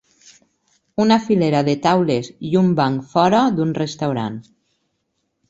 Una filera de taules i un banc fora d'un restaurant